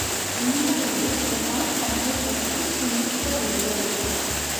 உண்மையில் உமார் தன்னைப் பற்றிச் சிந்திக்கவில்லை.